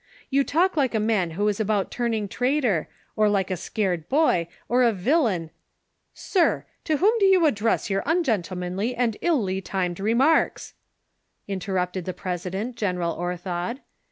"You talk like a man who is about turning traitor, or like a scared boy, or a villain "—" Sir I to whom do you address your ungentlemanly and illy timed remarks V " interrupted the president. General Orthod.